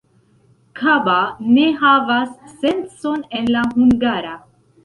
Kaba ne havas sencon en la hungara.